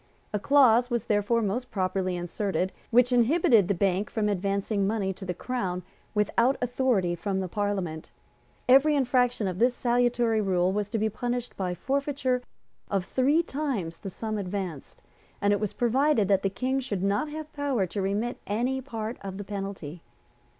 A clause was therefore most properly inserted which inhibited the Bank from advancing money to the Crown without authority from Parliament. Every infraction of this salutary rule was to be punished by forfeiture of three times the sum advanced; and it was provided that the King should not have power to remit any part of the penalty.